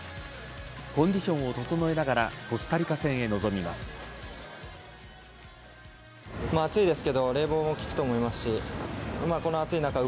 コンディションを整えながらコスタリカ戦へ臨みます。